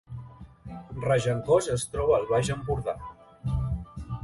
Regencós es troba al Baix Empordà